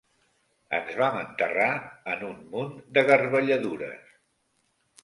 Ens vam enterrar en un munt de garbelladures